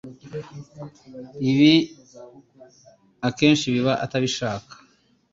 Ibi akenshi biba atabishaka,